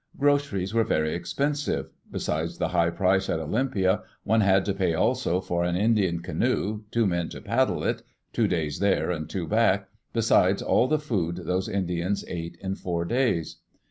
Groceries were very expensive. Besides the high price at Olympia, one had to pay also for an Indian canoe, two men to paddle it — two days there and two back — besides all the food those Indians ate in four days.